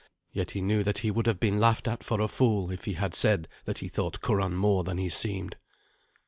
Yet he knew that he would have been laughed at for a fool if he had said that he thought Curan more than he seemed.